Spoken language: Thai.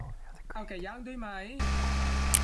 เอาไก่ย่างด้วยไหม